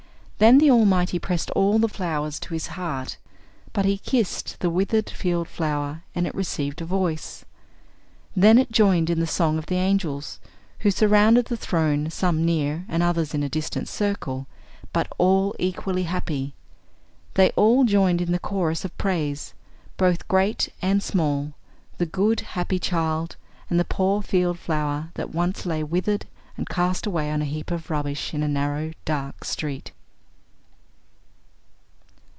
Then the Almighty pressed all the flowers to His heart; but He kissed the withered field flower, and it received a voice. Then it joined in the song of the angels, who surrounded the throne, some near, and others in a distant circle, but all equally happy. They all joined in the chorus of praise, both great and small, the good, happy child, and the poor field flower, that once lay withered and cast away on a heap of rubbish in a narrow, dark street.